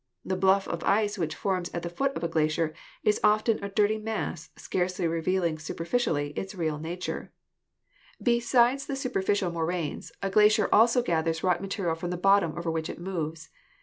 The bluff of ice which forms the foot of a glacier is often a dirty mass, scarcely revealing superficially its real nature. 146 GEOLOGY Besides the superficial moraines, a glacier also gathers rock material from the bottom oyer which it moves.